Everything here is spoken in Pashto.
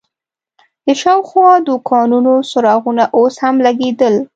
د شاوخوا دوکانونو څراغونه اوس هم لګېدل.